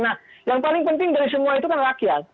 nah yang paling penting dari semua itu kan rakyat